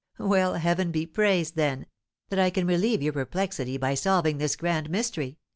"Well, heaven be praised, then, that I can relieve your perplexity by solving this grand mystery!"